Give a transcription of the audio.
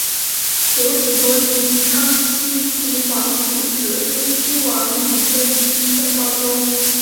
九子夺嫡以康熙帝皇四子雍亲王胤禛取胜告终。